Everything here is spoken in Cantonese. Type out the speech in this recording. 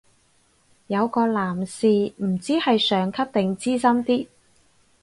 有個男士唔知係上級定資深啲